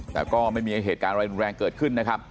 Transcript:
แต่ก็ไม่มีเหตุการณ์อะไรรุนแรงเกิดขึ้นนะครับ